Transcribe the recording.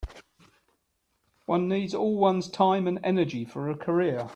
One needs all one's time and energy for a career.